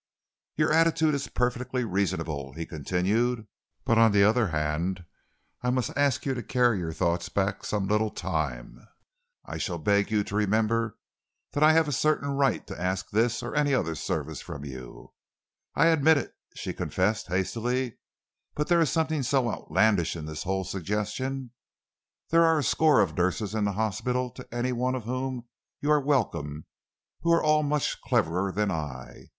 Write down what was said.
"Your attitude is perfectly reasonable," he continued, "but on the other hand I must ask you to carry your thoughts back some little time. I shall beg you to remember that I have a certain right to ask this or any other service from you." "I admit it," she confessed hastily, "but there is something so outlandish in the whole suggestion. There are a score of nurses in the hospital to any one of whom you are welcome, who are all much cleverer than I.